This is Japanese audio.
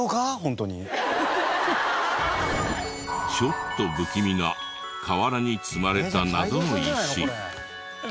ちょっと不気味な河原に積まれた謎の石。